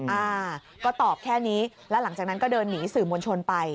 อ่าก็ตอบแค่นี้แล้วหลังจากนั้นก็เดินหนีสื่อมวลชนไป